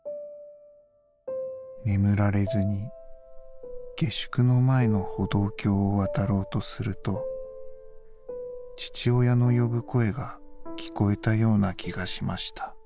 眠られずに下宿の前の歩道橋を渡ろうとすると父親の呼ぶ声が聞こえた様な気がしました。